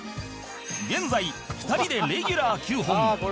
現在２人でレギュラー９本